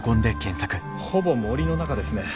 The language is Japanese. ほぼ森の中ですね。